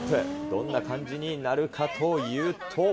どんな感じになるかというと。